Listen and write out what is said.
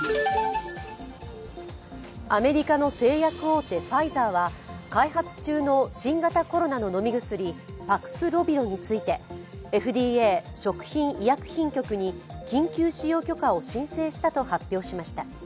アメリカの製薬大手、ファイザーは開発中の新型コロナの飲み薬、パクスロビドについて、ＦＤＡ＝食品医薬品局に緊急使用許可を申請したと発表しました。